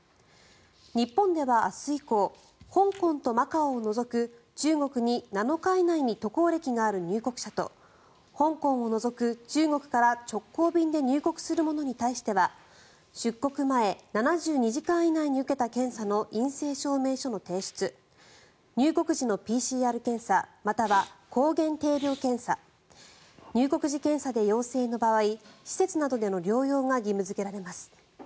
日本では明日以降香港とマカオを除く中国に７日以内に渡航歴がある入国者と香港を除く中国から直行便で入国する者に対しては出国前７２時間以内に受けた検査の陰性証明書の提出入国時のＰＣＲ検査または抗原定量検査入国時検査で陽性の場合施設などでの療養が義務付けられます。